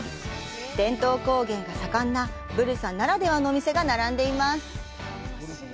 伝統工芸が盛んなブルサならではのお店が並んでいます。